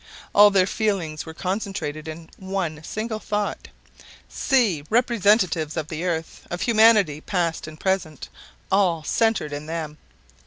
All their feelings were concentrated in one single thought:—See! Representatives of the earth, of humanity, past and present, all centered in them!